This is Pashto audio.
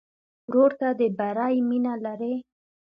ورور ته د بری مینه لرې.